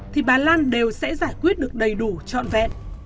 thì bà lan đều sẽ giải quyết được đầy đủ trọn vẹn